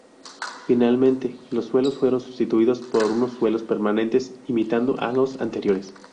Finalmente, los suelos fueron sustituidos por unos suelos permanentes imitando a los anteriores.